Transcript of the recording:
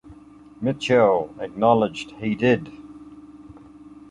Mitchell acknowledged he did.